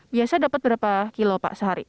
biasa dapat berapa kilo pak sehari